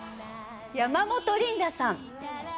山本リンダさん。